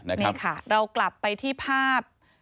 นี่ค่ะเรากลับไปที่ภาพ